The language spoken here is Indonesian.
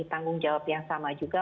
tanggung jawab yang sama juga